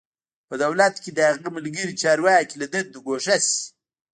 په دولت کې د هغه ملګري چارواکي له دندو ګوښه شي.